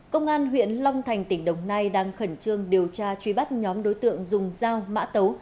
công an huyện long thành tỉnh đồng nai đang khẩn trương điều tra truy bắt nhóm đối tượng dùng dao mã tấu